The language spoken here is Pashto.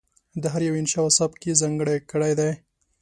د هر یوه انشأ او سبک یې ځانګړی کړی دی.